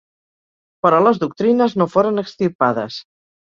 Però les doctrines no foren extirpades.